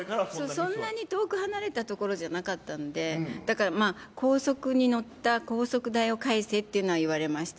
そんなに遠く離れた所じゃなかったので、だからまあ、高速に乗った高速代を返せっていうのは言われました。